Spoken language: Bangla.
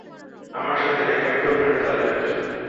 আমার সাথে নেকামি করবে না চার্লেট।